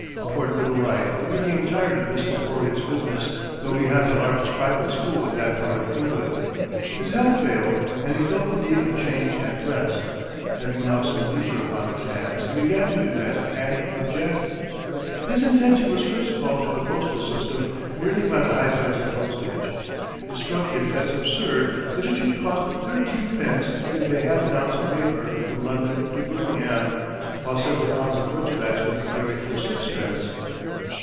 Toward middle life he became tired of this laborious business, though he had the largest private school in that part of England. His health failed, and he felt the need of change and rest. Having now some leisure upon his hands he began to invent and project. His attention was first called to the postal system merely by the high price of postage. It struck him as absurd that it should cost thirteen pence to convey half an ounce of paper from London to Birmingham, while several pounds of merchandise could be carried for sixpence.